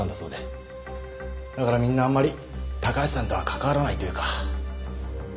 だからみんなあんまり高橋さんとは関わらないというか。